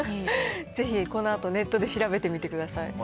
ぜひ、このあとネットで調べてみてください。